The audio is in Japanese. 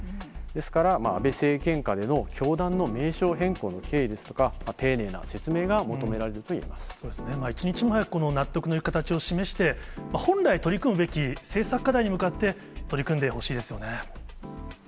ですから、安倍政権下での教団の名称変更の経緯ですとか、丁寧な説明が求め一日も早く、この納得のいく形を示して、本来取り組むべき政策課題に向かって、取り組んでほしいですよね。